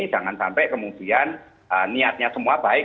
jangan sampai kemudian niatnya semua baik